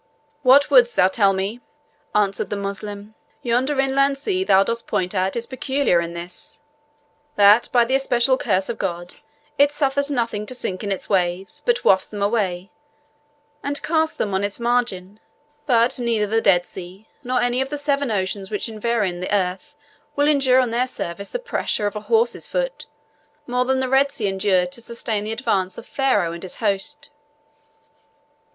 "What wouldst thou tell me?" answered the Moslem. "Yonder inland sea thou dost point at is peculiar in this, that, by the especial curse of God, it suffereth nothing to sink in its waves, but wafts them away, and casts them on its margin; but neither the Dead Sea, nor any of the seven oceans which environ the earth, will endure on their surface the pressure of a horse's foot, more than the Red Sea endured to sustain the advance of Pharaoh and his host."